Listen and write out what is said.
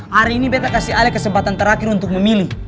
hari ini betta kasih alih kesempatan terakhir untuk memilih